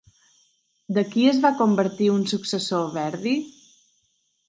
De qui es va convertir un successor Verdi?